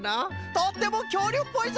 とってもきょうりゅうっぽいぞ！